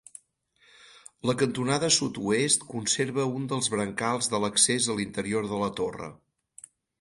La cantonada sud-oest conserva un dels brancals de l'accés a l'interior de la torre.